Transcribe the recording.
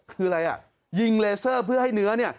คืออะไรอ่ะยิงเลเซอร์เพื่อให้เนื้อเนี่ย